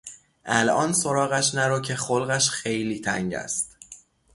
الان سراغش نرو که خلقش خیلی تنگ است.